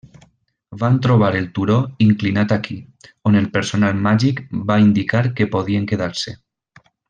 Van trobar el turó inclinat aquí, on el personal màgic va indicar que podien quedar-se.